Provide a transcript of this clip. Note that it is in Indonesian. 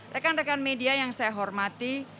rekan rekan media yang saya hormati